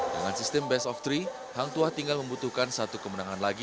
dengan sistem best of three hangtua tinggal membutuhkan satu kemenangan lagi